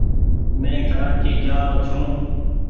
مين ڪرآچي جآ رو ڇون۔